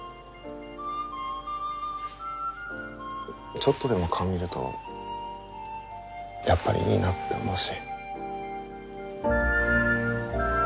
ちょっとでも顔見るとやっぱりいいなって思うし。